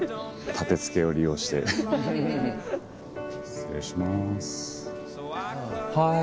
失礼します。